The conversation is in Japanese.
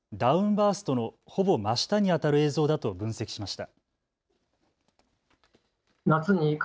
バーストのほぼ真下にあたる映像だと分析しました。